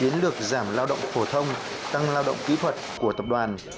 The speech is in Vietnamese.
chiến lược giảm lao động phổ thông tăng lao động kỹ thuật của tập đoàn